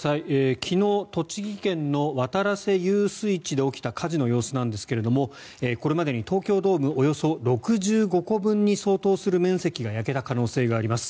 昨日栃木県の渡良瀬遊水地で起きた火事の様子なんですがこれまでに東京ドームおよそ６５個分に相当する面積が焼けた可能性があります。